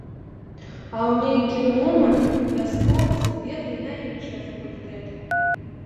А у нейкі момант вяскоўцы беглі на іншыя факультэты.